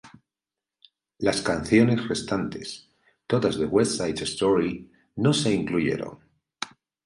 Las canciones restantes, todas de "West Side Story", no se incluyeron.